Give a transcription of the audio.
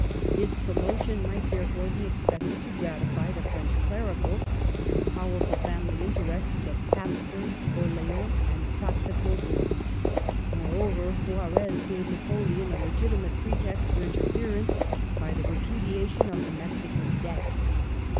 His promotion might, therefore, be expected to gratify the French Clericals, and the powerful family interests of Hapsburgs, Orleans, and Saxe Coburgs. Moreover, Juarez gave Napoleon a legitimate pretext for interference by the repudiation of the Mexican debt.